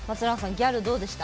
ギャルどうでした？